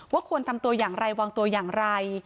ควรทำตัวอย่างไรวางตัวอย่างไร